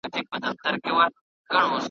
یو څو شپې یې کورته هیڅ نه وه ور وړي .